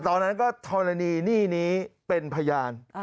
ตอนนั้นก็ธรณีหนี้นี้เป็นพยาน